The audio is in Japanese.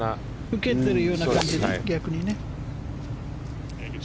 受けてるような感じね逆にね。